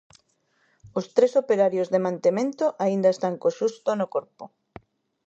Os tres operarios de mantemento aínda están co susto no corpo.